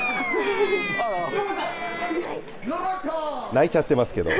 泣いちゃってますけど。